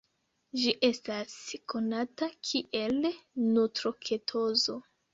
Ĝi estas konata kiel nutroketozo.